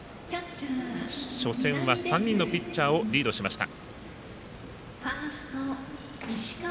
初戦は、３人のピッチャーをリードしました。